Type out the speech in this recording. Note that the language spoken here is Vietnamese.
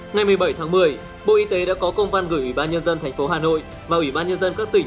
ngày một mươi bảy tháng một mươi bộ y tế đã có công văn gửi ủy ban nhân dân tp hà nội và ủy ban nhân dân các tỉnh